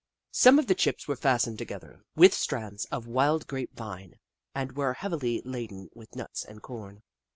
Some of the chips were fastened together with strands of wild grape vine, and were heavily laden with nuts and corn.